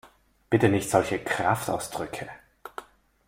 Bitte nicht solche Kraftausdrücke!